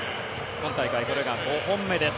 今大会、これが５本目です。